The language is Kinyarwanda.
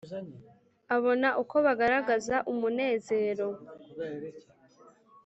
abona uko bagaragaza umunezero